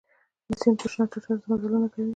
د سیند پر شنه ټټر مزلونه کوي